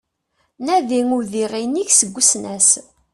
Nadi udiɣ inig seg usnas